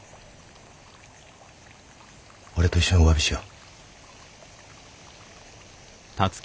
俺と一緒におわびしよう。